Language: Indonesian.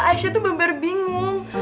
aisyah tuh bener bener bingung